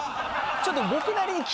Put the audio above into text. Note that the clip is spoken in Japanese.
ちょっと。